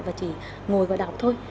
và chỉ ngồi và đọc thôi